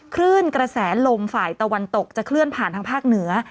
คลื่นกระแสลมฝ่ายตะวันตกจะเคลื่อนผ่านทางภาคเหนือ